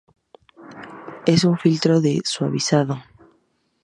Es un filtro de suavizado.